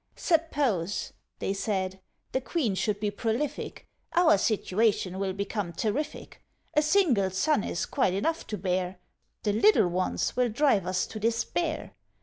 'Suppose,' they said, 'the Queen should be prolific, Our situation will become terrific. A single sun is quite enough to bear; The little ones will drive us to despair.